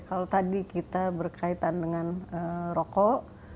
kalau tadi kita berkaitan dengan rokok